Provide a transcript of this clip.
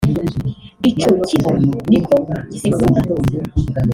ico kigo niko gisigura